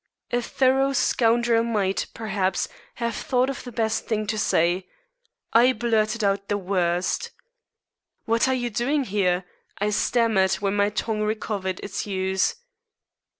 A thorough scoundrel might, perhaps, have thought of the best thing to say. I blurted out the worst. "What are you doing here?" I stammered when my tongue recovered its use.